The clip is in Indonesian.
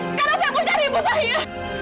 sekarang saya mau cari ibu saya